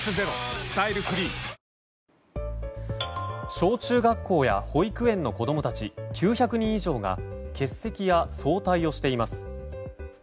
小中学校や保育園の子供たち９００人以上が欠席や早退をしています。